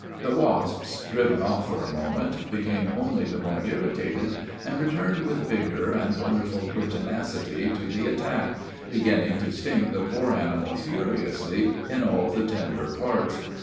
The wasps, driven off for a moment, became only the more irritated, and returned with vigor and wonderful pertinacity to the attack, beginning to sting the poor animal furiously in all the tender parts.